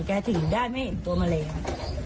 ถึงได้ไม่เห็นตัวแมลง